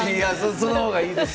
その方がいいです。